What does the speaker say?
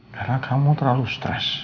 karena kamu terlalu stres